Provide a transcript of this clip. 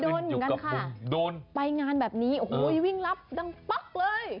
เคยโดนอย่างนั้นค่ะไปงานแบบนี้โอ้โหวิ่งลับตั้งปั๊บเลย